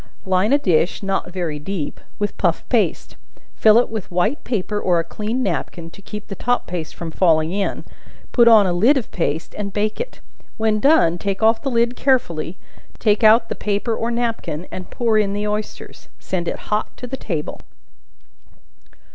Line a dish, not very deep, with puff paste; fill it with white paper, or a clean napkin, to keep the top paste from falling in; put on a lid of paste, and bake it. When done, take off the lid carefully; take out the paper or napkin, and pour in the oysters. Send it hot to table.